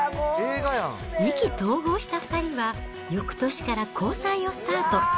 意気投合した２人は、よくとしから交際をスタート。